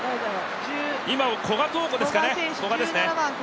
今のは古賀塔子ですかね。